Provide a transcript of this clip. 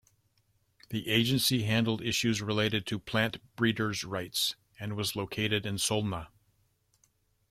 The agency handled issues related to plant breeders' rights, and was located in Solna.